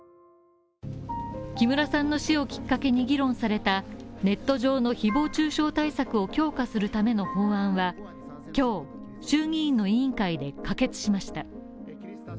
木村さんの死をきっかけに議論されたネット上の誹謗中傷対策を強化するための法案は今日、衆議院の委員会で可決しました。